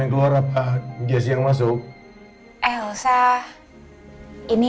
ya aku izin masukin nanti